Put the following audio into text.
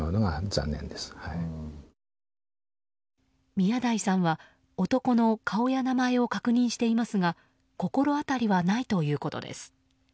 宮台さんは男の顔や名前を確認していますが心当たりはないということです。